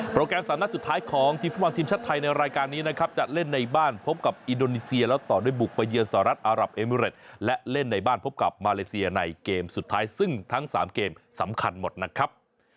แกรม๓นัดสุดท้ายของทีมฟุตบอลทีมชาติไทยในรายการนี้นะครับจะเล่นในบ้านพบกับอินโดนีเซียแล้วต่อด้วยบุกไปเยือนสหรัฐอารับเอมิเรตและเล่นในบ้านพบกับมาเลเซียในเกมสุดท้ายซึ่งทั้ง๓เกมสำคัญหมดนะครับ